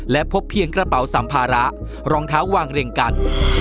และพบเพียงกระเป๋าสัมภาระรองเท้าวางเรียงกัน